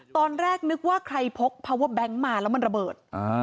ตอนแรกนึกว่าใครพกภาวะแบงค์มาแล้วมันระเบิด